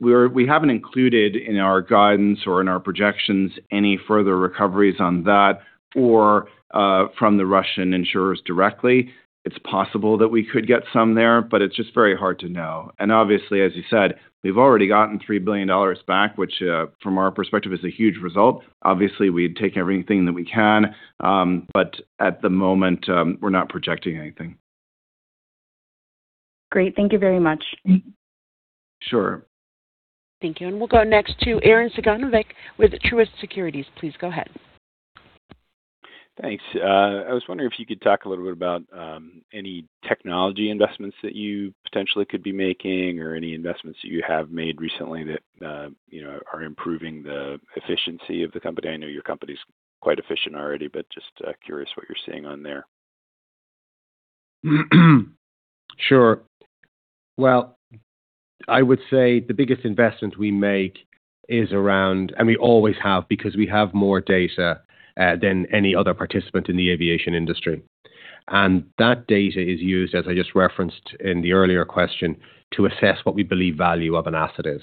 We haven't included in our guidance or in our projections any further recoveries on that or from the Russian insurers directly. It's possible that we could get some there, but it's just very hard to know. And obviously, as you said, we've already gotten $3 billion back, which from our perspective is a huge result. Obviously, we'd take everything that we can. But at the moment, we're not projecting anything. Great. Thank you very much. Sure. Thank you. We'll go next to Arren Cyganovich with Truist Securities. Please go ahead. Thanks. I was wondering if you could talk a little bit about any technology investments that you potentially could be making or any investments that you have made recently that are improving the efficiency of the company. I know your company's quite efficient already, but just curious what you're seeing on there? Sure. Well, I would say the biggest investment we make is around and we always have because we have more data than any other participant in the aviation industry. And that data is used, as I just referenced in the earlier question, to assess what we believe value of an asset is.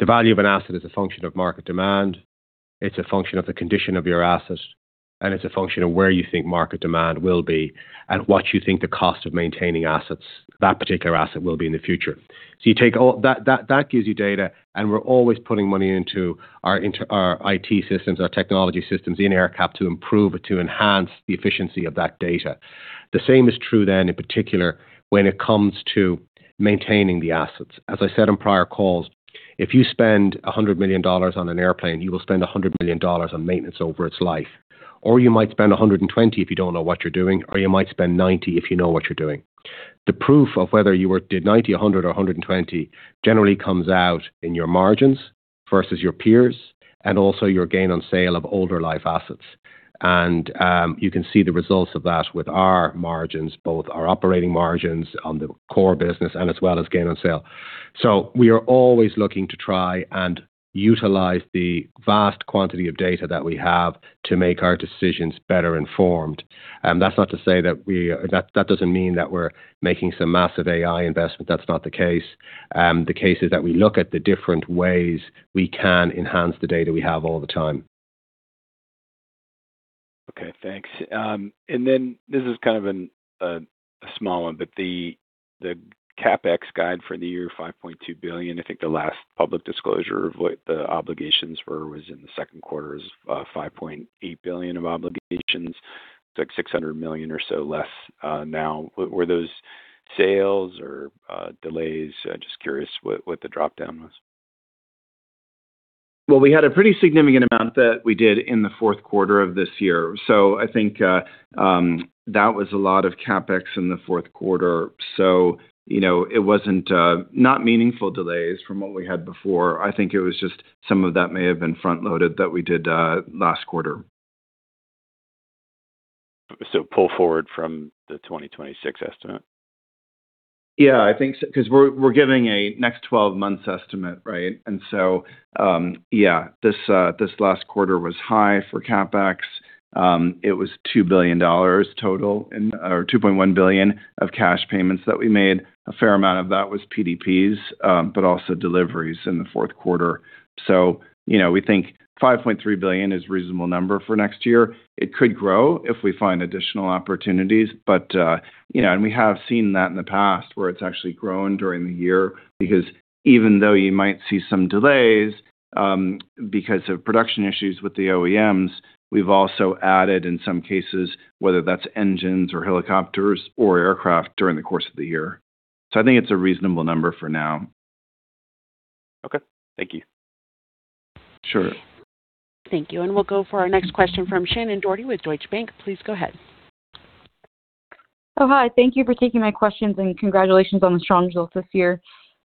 The value of an asset is a function of market demand. It's a function of the condition of your asset, and it's a function of where you think market demand will be and what you think the cost of maintaining that particular asset will be in the future. So you take all that gives you data. And we're always putting money into our IT systems, our technology systems in AerCap to improve, to enhance the efficiency of that data. The same is true then in particular when it comes to maintaining the assets. As I said on prior calls, if you spend $100 million on an airplane, you will spend $100 billion on maintenance over its life. Or you might spend $120 million if you don't know what you're doing, or you might spend $90 million if you know what you're doing. The proof of whether you did $90 million, $100 million, or $120 million generally comes out in your margins versus your peers and also your gain on sale of older-life assets. And you can see the results of that with our margins, both our operating margins on the core business and as well as gain on sale. So we are always looking to try and utilize the vast quantity of data that we have to make our decisions better informed. That's not to say that that doesn't mean that we're making some massive AI investment. That's not the case. The case is that we look at the different ways we can enhance the data we have all the time. Okay. Thanks. And then this is kind of a small one, but the CapEx guide for the year, $5.2 billion, I think the last public disclosure of what the obligations were was in the second quarter is $5.8 billion of obligations. It's like $600 million or so less now. Were those sales or delays? Just curious what the dropdown was. Well, we had a pretty significant amount that we did in the fourth quarter of this year. So I think that was a lot of CapEx in the fourth quarter. So it wasn't not meaningful delays from what we had before. I think it was just some of that may have been front-loaded that we did last quarter. Pull forward from the 2026 estimate? Yeah. Because we're giving a next 12 months estimate, right? And so yeah, this last quarter was high for CapEx. It was $2 billion total or $2.1 billion of cash payments that we made. A fair amount of that was PDPs but also deliveries in the fourth quarter. So we think $5.3 billion is a reasonable number for next year. It could grow if we find additional opportunities. And we have seen that in the past where it's actually grown during the year because even though you might see some delays because of production issues with the OEMs, we've also added in some cases, whether that's engines or helicopters or aircraft, during the course of the year. So I think it's a reasonable number for now. Okay. Thank you. Sure. Thank you. We'll go for our next question from Shannon Doherty with Deutsche Bank. Please go ahead. Oh, hi. Thank you for taking my questions, and congratulations on the strong results this year.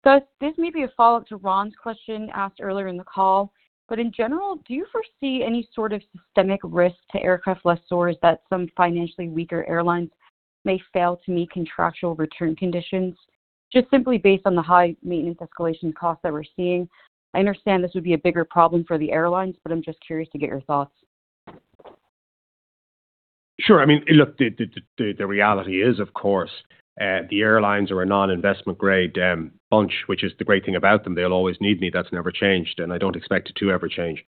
Gus, this may be a follow-up to Ron's question asked earlier in the call, but in general, do you foresee any sort of systemic risk to aircraft lessors that some financially weaker airlines may fail to meet contractual return conditions just simply based on the high maintenance escalation costs that we're seeing? I understand this would be a bigger problem for the airlines, but I'm just curious to get your thoughts. Sure. I mean, look, the reality is, of course, the airlines are a non-investment-grade bunch, which is the great thing about them. They'll always need me. That's never changed. And I don't expect it to ever change.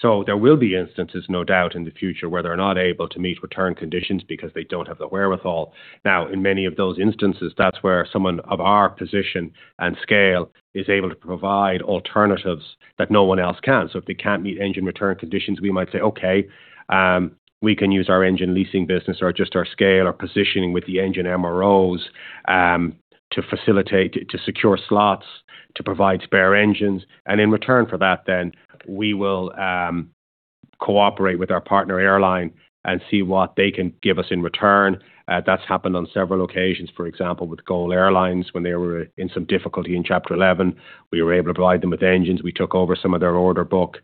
So there will be instances, no doubt, in the future where they're not able to meet return conditions because they don't have the wherewithal. Now, in many of those instances, that's where someone of our position and scale is able to provide alternatives that no one else can. So if they can't meet engine return conditions, we might say, "Okay. We can use our engine leasing business or just our scale or positioning with the engine MROs to secure slots, to provide spare engines." And in return for that, then we will cooperate with our partner airline and see what they can give us in return. That's happened on several occasions, for example, with GOL Airlines when they were in some difficulty in Chapter 11. We were able to provide them with engines. We took over some of their order book,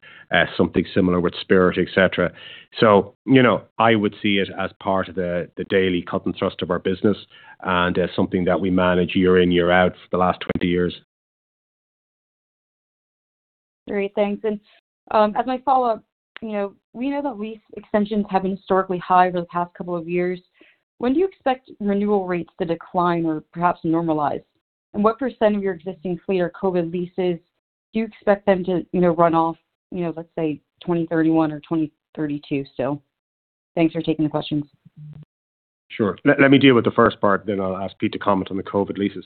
something similar with Spirit, etc. So I would see it as part of the daily cut and thrust of our business and something that we manage year in, year out for the last 20 years. Great. Thanks. As my follow-up, we know that lease extensions have been historically high over the past couple of years. When do you expect renewal rates to decline or perhaps normalize? And what percent of your existing fleet are COVID leases? Do you expect them to run off, let's say, 2031 or 2032 still? Thanks for taking the questions. Sure. Let me deal with the first part, then I'll ask Pete to comment on the COVID leases.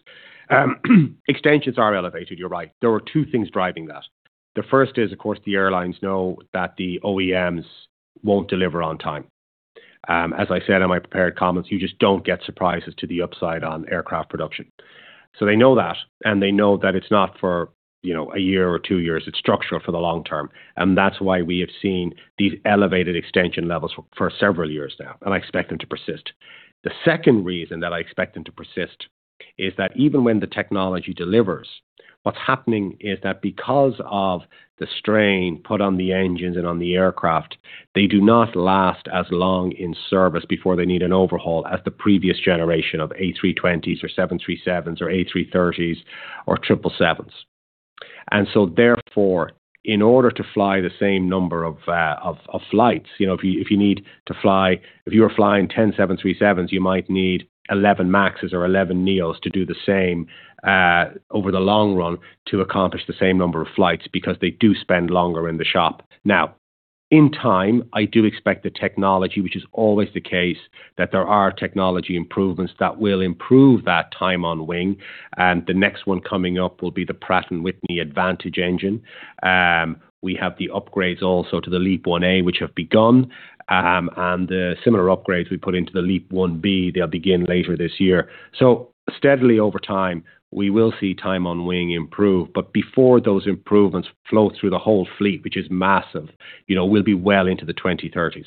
Extensions are elevated. You're right. There were two things driving that. The first is, of course, the airlines know that the OEMs won't deliver on time. As I said in my prepared comments, you just don't get surprises to the upside on aircraft production. So they know that, and they know that it's not for a year or two years. It's structural for the long term. And that's why we have seen these elevated extension levels for several years now, and I expect them to persist. The second reason that I expect them to persist is that even when the technology delivers, what's happening is that because of the strain put on the engines and on the aircraft, they do not last as long in service before they need an overhaul as the previous generation of A320s or 737s or A330s or 777s. And so therefore, in order to fly the same number of flights, if you were flying 10 737s, you might need 11 MAXs or 11 NEOs to do the same over the long run to accomplish the same number of flights because they do spend longer in the shop. Now, in time, I do expect the technology, which is always the case, that there are technology improvements that will improve that time on wing. And the next one coming up will be the Pratt & Whitney Advantage Engine. We have the upgrades also to the LEAP-1A, which have begun, and similar upgrades we put into the LEAP-1B. They'll begin later this year. So steadily over time, we will see time on wing improve. But before those improvements flow through the whole fleet, which is massive, we'll be well into the 2030s.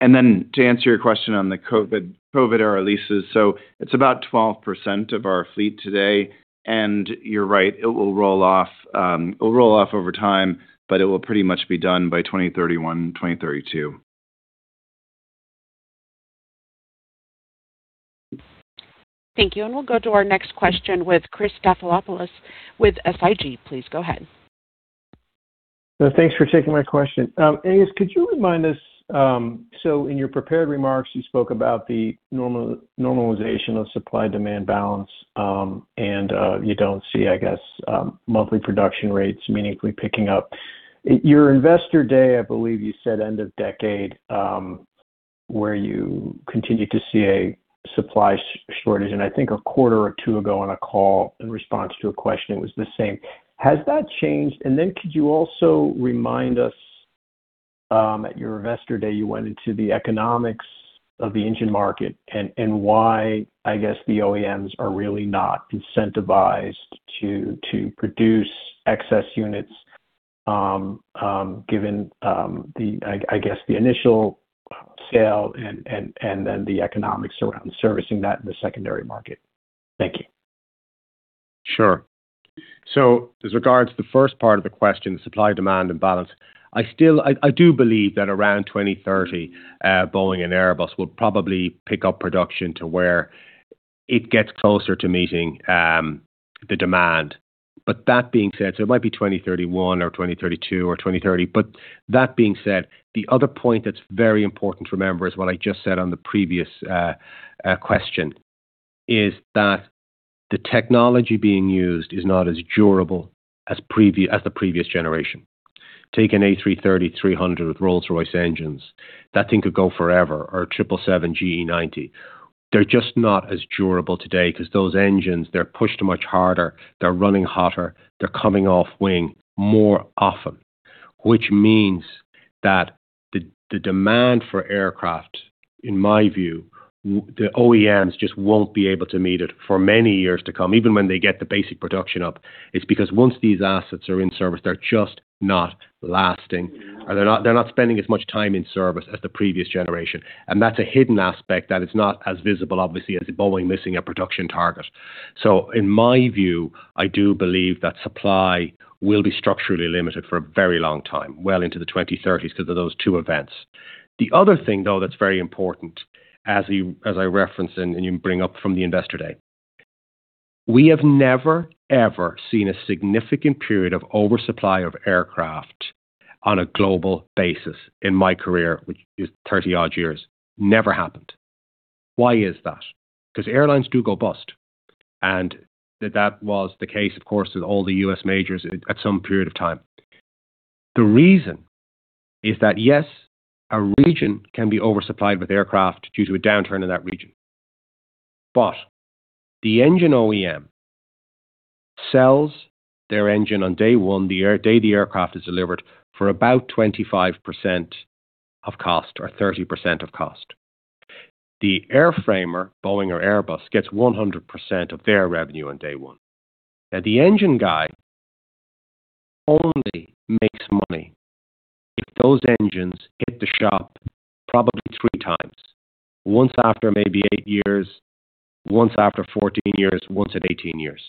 Then to answer your question on the COVID era leases, so it's about 12% of our fleet today. You're right, it will roll off. It'll roll off over time, but it will pretty much be done by 2031, 2032. Thank you. We'll go to our next question with Chris Stathoulopoulos with SIG. Please go ahead. So thanks for taking my question. Again, could you remind us so in your prepared remarks, you spoke about the normalization of supply-demand balance, and you don't see, I guess, monthly production rates meaningfully picking up. Your investor day, I believe you said end of decade, where you continue to see a supply shortage. And I think a quarter or two ago on a call in response to a question, it was the same. Has that changed? And then could you also remind us at your investor day, you went into the economics of the engine market and why, I guess, the OEMs are really not incentivized to produce excess units given, I guess, the initial sale and then the economics around servicing that in the secondary market. Thank you. Sure. So with regards to the first part of the question, supply-demand imbalance, I do believe that around 2030, Boeing and Airbus will probably pick up production to where it gets closer to meeting the demand. But that being said, so it might be 2031 or 2032 or 2030. But that being said, the other point that's very important to remember is what I just said on the previous question is that the technology being used is not as durable as the previous generation. Take an A330-300 with Rolls-Royce engines. That thing could go forever or a 777-GE90. They're just not as durable today because those engines, they're pushed much harder. They're running hotter. They're coming off wing more often, which means that the demand for aircraft, in my view, the OEMs just won't be able to meet it for many years to come, even when they get the basic production up, is because once these assets are in service, they're just not lasting, or they're not spending as much time in service as the previous generation. That's a hidden aspect that is not as visible, obviously, as Boeing missing a production target. In my view, I do believe that supply will be structurally limited for a very long time, well into the 2030s because of those two events. The other thing, though, that's very important, as I referenced and you bring up from the Investor Day, we have never, ever seen a significant period of oversupply of aircraft on a global basis in my career, which is 30-odd years, never happened. Why is that? Because airlines do go bust. And that was the case, of course, with all the U.S. majors at some period of time. The reason is that, yes, a region can be oversupplied with aircraft due to a downturn in that region. But the engine OEM sells their engine on day one, the day the aircraft is delivered, for about 25% of cost or 30% of cost. The airframer, Boeing or Airbus, gets 100% of their revenue on day one. Now, the engine guy only makes money if those engines hit the shop probably three times, once after maybe 8 years, once after 14 years, once at 18 years.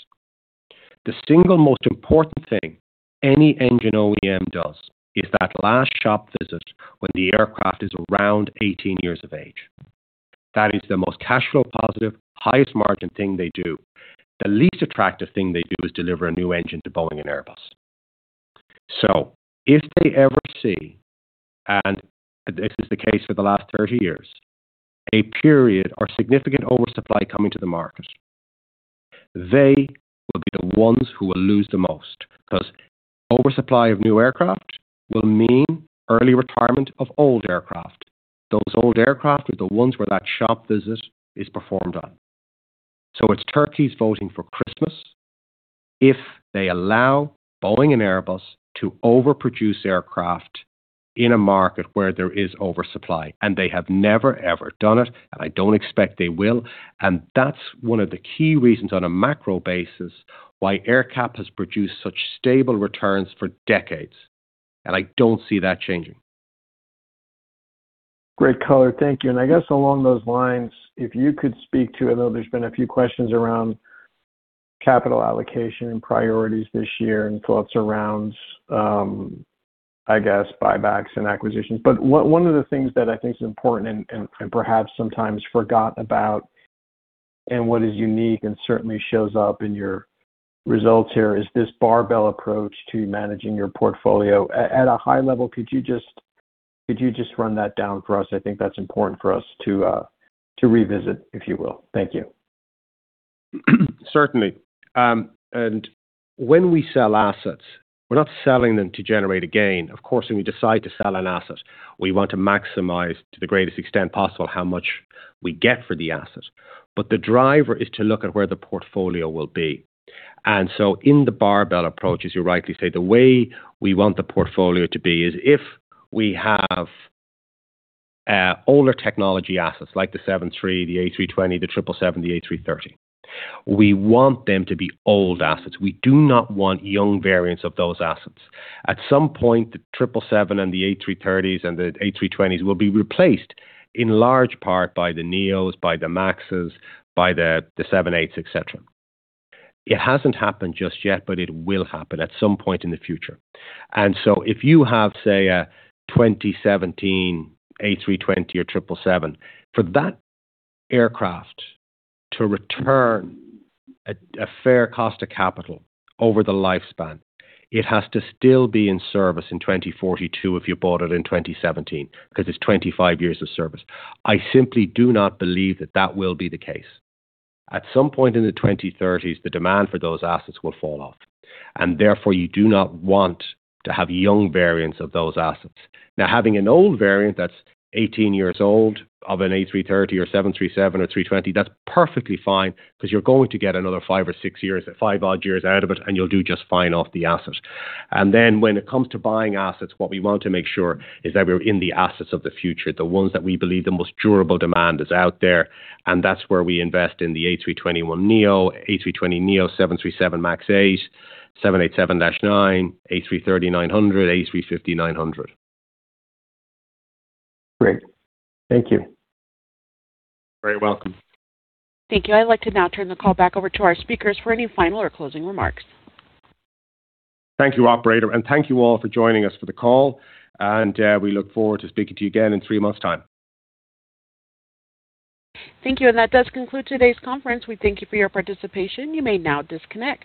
The single most important thing any engine OEM does is that last shop visit when the aircraft is around 18 years of age. That is the most cash flow positive, highest margin thing they do. The least attractive thing they do is deliver a new engine to Boeing and Airbus. So if they ever see, and this is the case for the last 30 years, a period or significant oversupply coming to the market, they will be the ones who will lose the most because oversupply of new aircraft will mean early retirement of old aircraft. Those old aircraft are the ones where that shop visit is performed on. So it's turkeys voting for Christmas if they allow Boeing and Airbus to overproduce aircraft in a market where there is oversupply. And they have never, ever done it, and I don't expect they will. And that's one of the key reasons on a macro basis why AerCap has produced such stable returns for decades. And I don't see that changing. Great color. Thank you. I guess along those lines, if you could speak to. I know there's been a few questions around capital allocation and priorities this year and thoughts around, I guess, buybacks and acquisitions. But one of the things that I think is important and perhaps sometimes forgot about and what is unique and certainly shows up in your results here is this barbell approach to managing your portfolio. At a high level, could you just run that down for us? I think that's important for us to revisit, if you will. Thank you. Certainly. When we sell assets, we're not selling them to generate a gain. Of course, when we decide to sell an asset, we want to maximize to the greatest extent possible how much we get for the asset. The driver is to look at where the portfolio will be. In the barbell approach, as you rightly say, the way we want the portfolio to be is if we have older technology assets like the 737, the A320, the 777, the A330, we want them to be old assets. We do not want young variants of those assets. At some point, the 777 and the A330s and the A320s will be replaced in large part by the NEOs, by the MAXs, by the 787s, etc. It hasn't happened just yet, but it will happen at some point in the future. And so if you have, say, a 2017 A320 or 777, for that aircraft to return a fair cost of capital over the lifespan, it has to still be in service in 2042 if you bought it in 2017 because it's 25 years of service. I simply do not believe that that will be the case. At some point in the 2030s, the demand for those assets will fall off. And therefore, you do not want to have young variants of those assets. Now, having an old variant that's 18 years old of an A330 or 737 or 320, that's perfectly fine because you're going to get another five or six years, five-odd years out of it, and you'll do just fine off the asset. Then when it comes to buying assets, what we want to make sure is that we're in the assets of the future, the ones that we believe the most durable demand is out there. That's where we invest in the A321neo, A320neo, 737 MAX 8, 787-9, A330-900, A350-900. Great. Thank you. You're very welcome. Thank you. I'd like to now turn the call back over to our speakers for any final or closing remarks. Thank you, operator. Thank you all for joining us for the call. We look forward to speaking to you again in three months' time. Thank you. That does conclude today's conference. We thank you for your participation. You may now disconnect.